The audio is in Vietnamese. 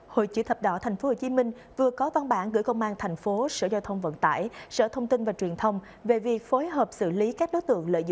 hội chữ thập đỏ tp hcm vừa có văn bản gửi công an thành phố sở giao thông vận tải